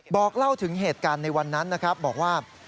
บอกเล่าถึงเหตุการณ์ในวันนั้นนะครับบอกว่า